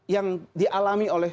yang dialami oleh